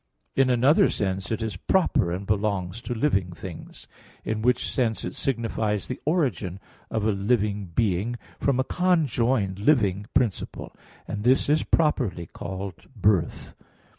In another sense it is proper and belongs to living things; in which sense it signifies the origin of a living being from a conjoined living principle; and this is properly called birth.